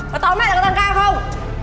mà tóm lại là có tăng ca không